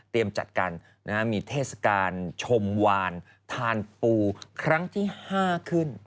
จัดกันมีเทศกาลชมวานทานปูครั้งที่๕ขึ้น